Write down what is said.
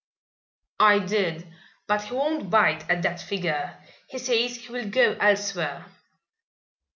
"I did, but he won't bite at that figure. He says he will go elsewhere."